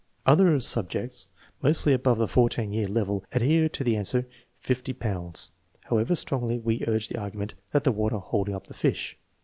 Others subjects, mostly above the 14 year level, adhere to the answer " 50 pounds," however strongly we urge the argument about the water holding up the fish.